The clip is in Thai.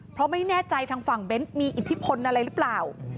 เพราะไม่แน่ใจทางฝั่งเบ้นมีอิทธิพลอะไรหรือเปล่า